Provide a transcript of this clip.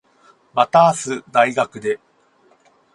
また明日、大学で。